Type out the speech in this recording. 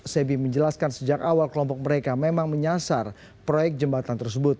sebi menjelaskan sejak awal kelompok mereka memang menyasar proyek jembatan tersebut